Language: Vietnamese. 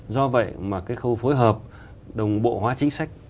do vậy mà cái khâu phối hợp đồng bộ hóa chính sách